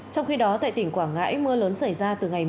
trong khi đó tại tỉnh phú trọng phòng xây dựng các mẫu đất ngộ ngang